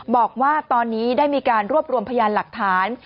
บอกว่าตอนนี้ได้มีการรวบรวมพยานหลักฐาน